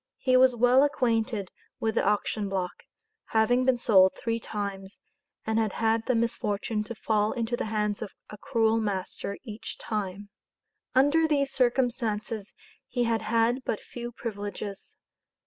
He was well acquainted with the auction block having been sold three times, and had had the misfortune to fall into the hands of a cruel master each time. Under these circumstances he had had but few privileges.